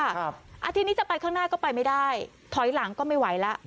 อาทิตย์นี้จะไปข้างหน้าก็ไปไม่ได้ถอยหลังก็ไม่ไหวแล้ว